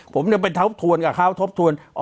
ผมยังไปทบทวนกับเขาทบทวน